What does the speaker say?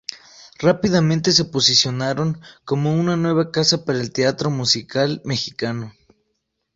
Rápidamente se posicionaron como una nueva casa para el teatro musical mexicano.